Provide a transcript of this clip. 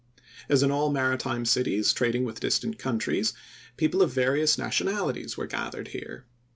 As in all maritime cities trading with distant countries, people of various nationalities were gathered here.